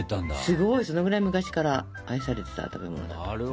すごいそのくらい昔から愛されてた食べ物だったんだね。